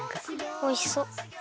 おいしそう！